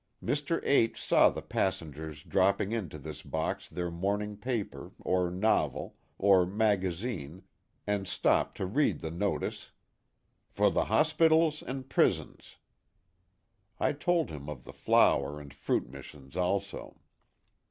Mr. H saw the passengers drop ping into this box their morning paper, or novel, or magazine, and stopped to read the notice :" For the Hospitals and Prisons." I told him of the Flower and Fruit Missions also.